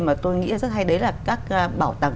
mà tôi nghĩ rất hay đấy là các bảo tàng